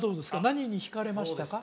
何に引かれましたか？